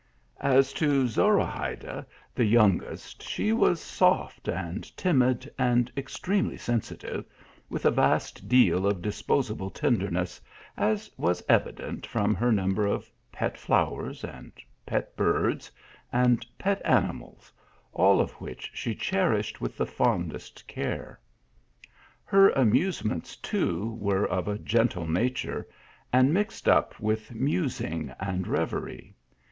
As to Zorahayda, the youngest, she was soft and timid, and extremely sensitive, with a vast deal of disposable tenderness, as was evident from her number of pet flowers, and pet birds, and pet ani mals, all of which she cherished with the fondest care. Her amusements, too, were of a gentle na ture, and mixed up with musing and reverie.